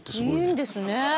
いいんですね。